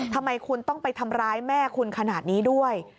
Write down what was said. ทำไมคุณต้องไปทำร้ายแม่คุณขนาดนี้ด้วย